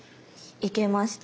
いけました。